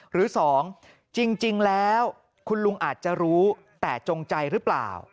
หรือ๒จริงแล้วคุณลุงอาจจะรู้แต่จงใจหรือเปล่า